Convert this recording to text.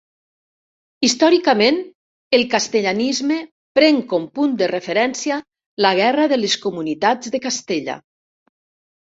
Històricament, el castellanisme pren com punt de referència la Guerra de les Comunitats de Castella.